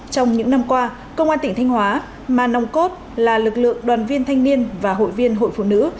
trong những năm qua công an tỉnh thanh hóa mà nòng cốt là lực lượng đoàn viên thanh niên và hội viên hội phụ nữ